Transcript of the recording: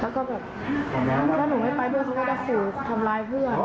แล้วก็แบบถ้าหนูไม่ไปเพื่อนเขาก็จะฟูทำร้ายเพื่อน